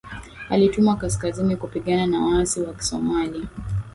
alitumwa kaskazini kupigana na waasi wa kisomalia